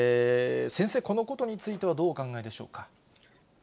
先生、このことについてはどうお考えでしょうか。